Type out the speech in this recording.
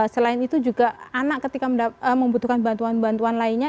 selain itu juga anak ketika membutuhkan bantuan bantuan lainnya